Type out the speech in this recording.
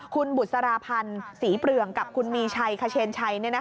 คุณบุษราพันธ์ศรีเปลืองกับคุณมีชัยขเชนชัย